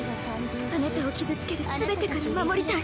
あなたを傷つける全てから守りたい。